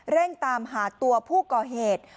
เร่งตามหาตัวผู้ก่อเหตุ